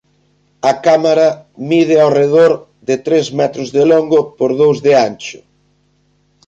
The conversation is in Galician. A cámara mide arredor de tres metros de longo por dous de ancho.